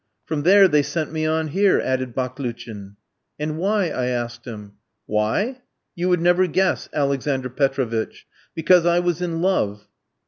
"From there they sent me on here," added Baklouchin. "And why?" I asked him. "Why? You would never guess, Alexander Petrovitch. Because I was in love."